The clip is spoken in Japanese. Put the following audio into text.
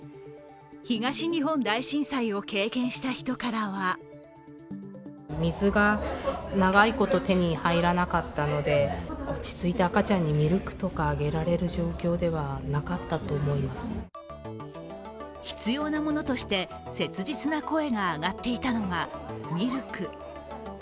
東日本大震災を経験した人からは必要なものとして、切実な声が上がっていたのがミルク。